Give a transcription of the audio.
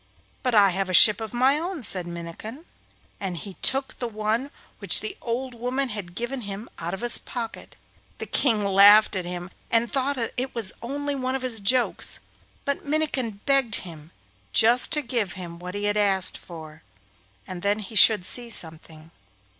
'But I have a ship of my own,' said Minnikin, and he took the one which the old woman had given him out of his pocket. The King laughed at him and thought that it was only one of his jokes, but Minnikin begged him just to give him what he had asked for, and then he should see something.